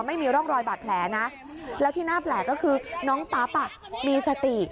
ไม่มีร่องรอยบาดแผลนะแล้วที่หน้าแผลก็คือน้องปั๊บมีสติ